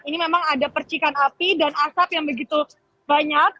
ini memang ada percikan api dan asap yang begitu banyak